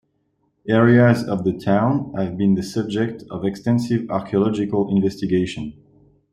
Areas of the town have been the subject of extensive archaeological investigation.